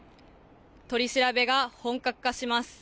取り調べが本格化します。